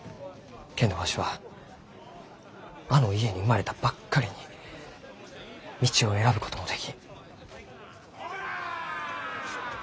けんどわしはあの家に生まれたばっかりに道を選ぶこともできん。